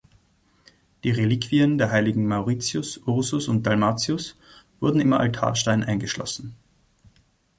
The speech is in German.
Die Reliquien der Heiligen Mauritius, Ursus und Dalmatius wurden im Altarstein eingeschlossen.